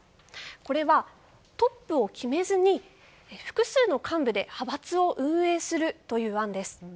これは、トップを決めずに複数の幹部で派閥を運営するという案です。